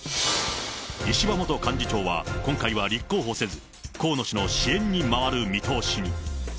石破元幹事長は今回は立候補せず、河野氏の支援に回る見通しに。